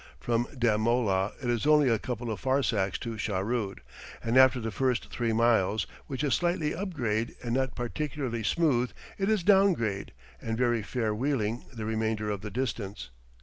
From Deh Mollah it is only a couple of farsakhs to Shahrood, and after the first three miles, which is slightly upgrade and not particularly smooth, it is downgrade and very fair wheeling the remainder of the distance.